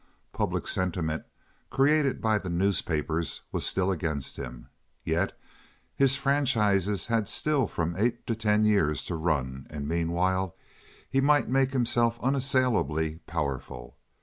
Public sentiment—created by the newspapers—was still against him. Yet his franchises had still from eight to ten years to run, and meanwhile he might make himself unassailably powerful.